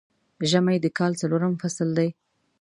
ژمی د کال څلورم فصل دی